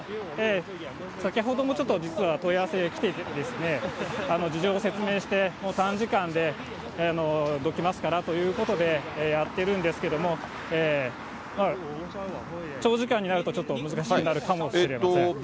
先ほどもちょっと、実は問い合わせ来てですね、事情を説明して、短時間でどきますからということでやってるんですけれども、長時間になると、ちょっと難しくなるかもしれません。